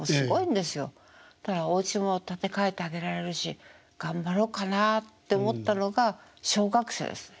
おうちも建て替えてあげられるし頑張ろうかなって思ったのが小学生ですね。